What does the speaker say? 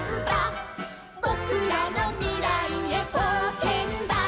「ぼくらのみらいへぼうけんだ」